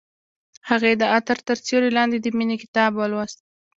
هغې د عطر تر سیوري لاندې د مینې کتاب ولوست.